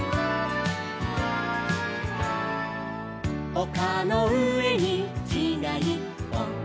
「おかのうえにきがいっぽん」